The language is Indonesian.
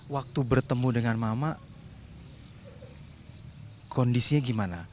waktu bertemu dengan mama kondisinya gimana